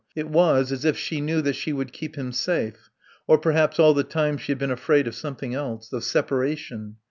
It was as if she knew that she would keep him safe. Or perhaps all the time she had been afraid of something else. Of separation.